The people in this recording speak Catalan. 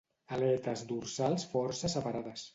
Aletes dorsals força separades.